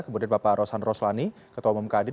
kemudian bapak rosan roslani ketua umum kadin